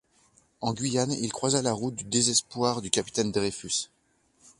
En Guyane, il croisa la route du désespoir du capitaine Dreyfus.